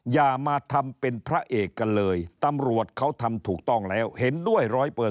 อย่ามาทำเป็นพระเอกกันเลยตำรวจเขาทำถูกต้องแล้วเห็นด้วย๑๐๐